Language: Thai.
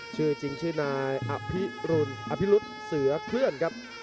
ชื่อจิงชินายอภิรุษเสือเคลื่อนครับ